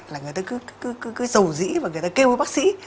là người ta cứ giàu dĩ và người ta kêu bác sĩ